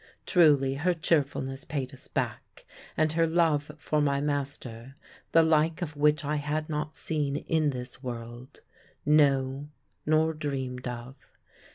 Truly her cheerfulness paid us back, and her love for my master, the like of which I had not seen in this world; no, nor dreamed of.